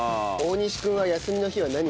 大西君は休みの日は。